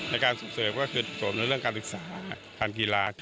ในการส่งเสริมก็คือเสริมในเรื่องการศึกษาทางกีฬา